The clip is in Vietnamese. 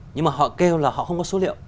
nhưng mà họ kêu là họ không có số liệu